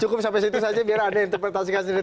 cukup sampai situ saja biar anda interpretasikan sendiri